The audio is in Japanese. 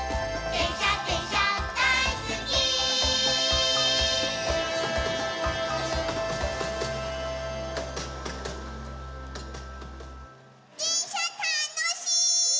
でんしゃたのしい！